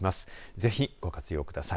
ぜひ、ご活用ください。